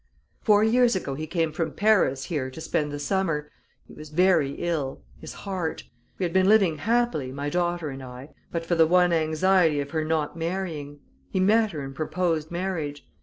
"Four years ago he came from Paris here to spend the summer he was ver' ill his heart. We had been living happily, my daughter and I, but for the one anxiety of her not marrying. He met her and proposed marriage.